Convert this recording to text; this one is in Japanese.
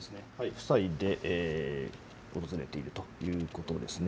夫妻で訪れているということですね。